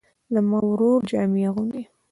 زما ورور جامې اغوندي